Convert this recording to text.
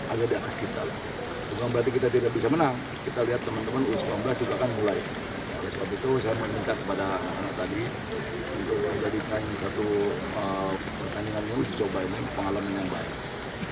oleh sebab itu saya meminta kepada anak anak tadi untuk menjadikan satu pertandingan uji coba ini pengalaman yang baik